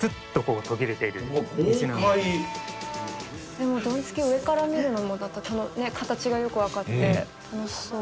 「でもドンツキ上から見るのもまた形がよくわかって楽しそう」